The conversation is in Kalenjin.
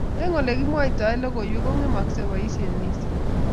Eng Ole kimwoitoe logoiwek kongemoksei boisiet missing